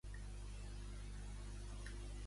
Quin aspecte creia que havia canviat respecte antany?